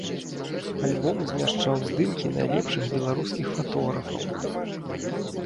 Альбом змяшчаў здымкі найлепшых беларускіх фатографаў.